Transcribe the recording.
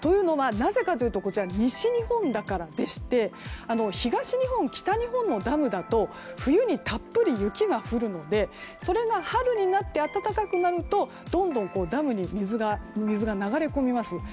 なぜかというと西日本だからでして東日本、北日本のダムだと冬にたっぷり雪が降るのでそれが春になって暖かくなるとどんどんダムに水が流れ込みます。